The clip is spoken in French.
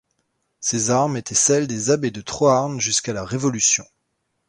Ces armes étaient celles des abbés de Troarn jusqu'à la Révolution.